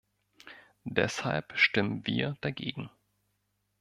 Deshalb stimmen wir dagegen.